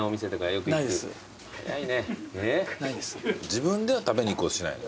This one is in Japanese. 自分では食べに行こうとしないの？